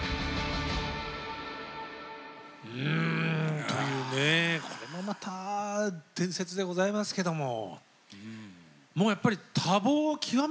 うんというねこれもまた伝説でございますけども。